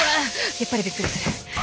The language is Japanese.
やっぱりびっくりする。